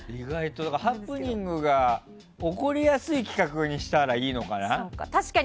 ハプニングが起こりやすい企画にしたらいいのかな。